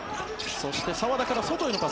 そして、澤田から外へのパス。